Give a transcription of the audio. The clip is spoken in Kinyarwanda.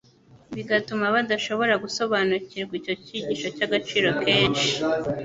bigatuma badashobora gusobanukirwa icyo cyigisho cy'agaciro kenshi.